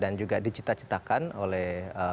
dan juga dicitak citakan oleh